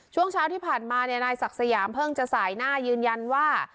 ช่วงเช้าที่ผ่านมานายศักดิ์สยามเพิ่งจะสายหน้ายืนยันว่า